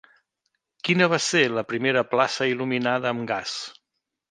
Quina va ser la primera plaça il·luminada amb gas?